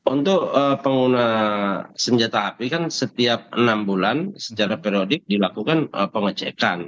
untuk pengguna senjata api kan setiap enam bulan secara periodik dilakukan pengecekan